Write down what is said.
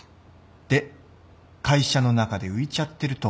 で会社の中で浮いちゃってると。